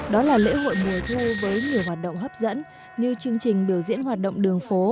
đó là lễ hội mùa thu với nhiều hoạt động hấp dẫn như chương trình biểu diễn hoạt động đường phố